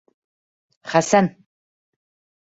Хәсән!